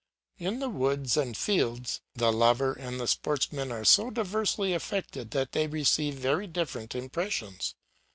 In the woods and fields, the lover and the sportsman are so diversely affected that they receive very different impressions.